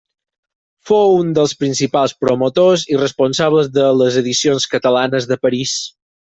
Fou un dels principals promotors i responsables de les Edicions Catalanes de París.